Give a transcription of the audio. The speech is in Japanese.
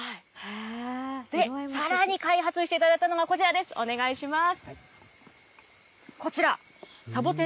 さらに開発していただいたのがこちらです、お願いします。